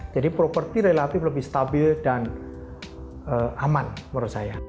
jadi properti relatif lebih stabil dan aman menurut saya